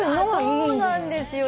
そうなんですよ。